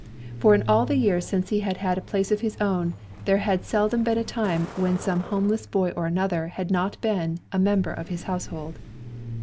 For in all the years since he had had a place of his own, there had seldom been a time when some homeless boy or another had not been a member of his household.